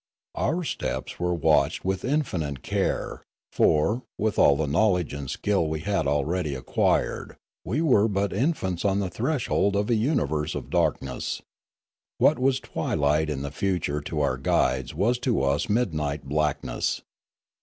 Our steps were watched with infinite care; for, with all the knowledge and skill we had already acquired, we were but infants on the threshold of a universe of darkness. What was twilight in the future to our guides was to us midnight blackness.